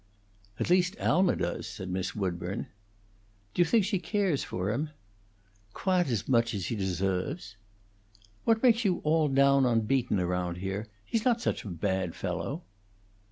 "At least Alma does," said Miss Woodburn. "Do you think she cares for him?" "Quahte as moch as he desoves." "What makes you all down on Beaton around here? He's not such a bad fellow."